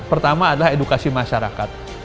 pertama adalah edukasi masyarakat